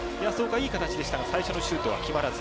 いい形でしたが最初のシュート決まらず。